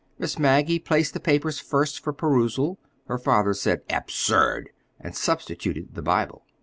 Miss Maggie placed the papers first for perusal: her father said "Absurd!" and substituted the Bible.